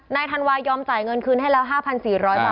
ธันวายอมจ่ายเงินคืนให้แล้ว๕๔๐๐บาท